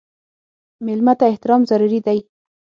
مېلمه ته احترام ضروري دی.